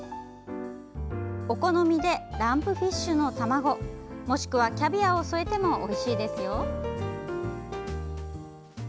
お好みで、ランプフィッシュの卵もしくはキャビアを添えてもおいしいですよ。